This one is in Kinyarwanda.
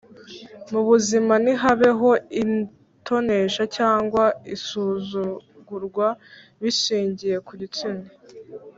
mu buzima ntihabeho itonesha cyangwa isuzugurwa bishingiye ku gitsina.